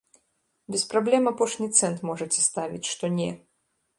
Без праблем апошні цэнт можаце ставіць, што не.